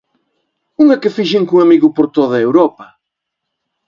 Unha que fixen cun amigo por toda Europa.